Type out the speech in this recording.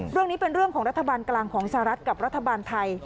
เรื่องนี้เป็นเรื่องของรัฐบาลกลางของสหรัฐกับรัฐบาลไทย